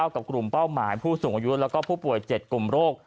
กับกลุ่มเป้าหมายผู้สูงอายุแล้วก็ผู้ป่วย๗กลุ่มโรค